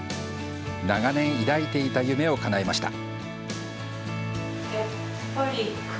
長年抱いていた夢をかなえました。